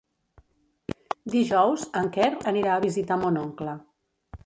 Dijous en Quer anirà a visitar mon oncle.